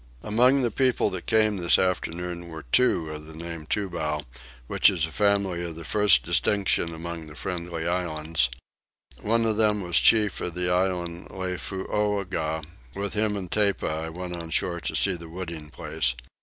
Among the people that came this afternoon were two of the name of Tubow, which is a family of the first distinction among the Friendly Islands; one of them was chief of the island Lefooga; with him and Tepa I went on shore to see the wooding place.